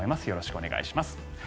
よろしくお願いします。